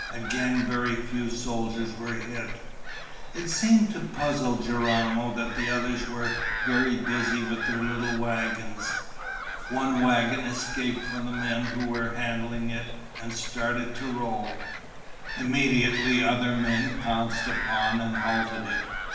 Again, very few soldiers were hit. It seemed to the puzzled Geronimo that the others were very busy with their little wagons. One wagon escaped from the men who were handling it and started to roll. Immediately other men pounced upon and halted it.